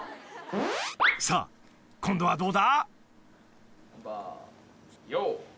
［さあ今度はどうだ？］